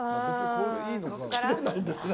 切れないんですね。